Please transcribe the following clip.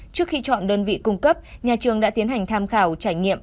trước khi chọn đơn vị cung cấp nhà trường đã tiến hành tham khảo trải nghiệm